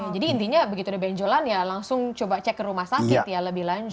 jadi intinya begitu ada benjolan ya langsung coba cek ke rumah sakit ya lebih lanjut